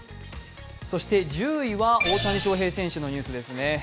そして１０位は大谷翔平選手のニュースですね。